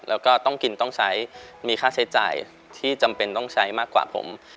แล้วก็ต้องกินต้องใช้มีค่าใช้จ่ายที่จำเป็นต้องใช้มากกว่าผม